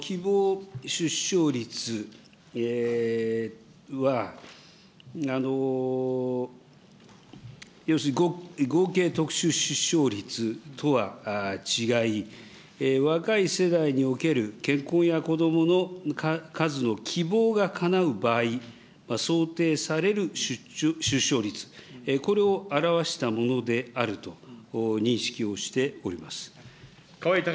希望出生率は、要するに合計特殊出生率とは違い、若い世代における結婚や子どもの数の希望がかなう場合、想定される出生率、これを表したものであると認識をしております。